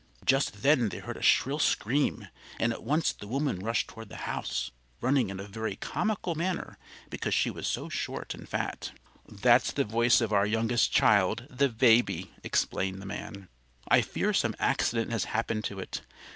Just then they heard a shrill scream, and at once the woman rushed toward the house, running in a very comical manner because she was so short and fat. "That's the voice of our youngest child, the baby," explained the man. "I fear some accident has happened to it.